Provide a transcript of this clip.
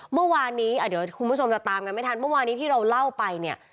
เมื่อวานนี้เดี๋ยวคุณผู้ชมจะตามกันไม่ทันเมื่อวานนี้ที่เราเล่าไปเนี่ย